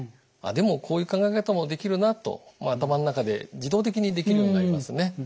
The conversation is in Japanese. でもこういう考え方もできるな」と頭の中で自動的にできるようになりますね。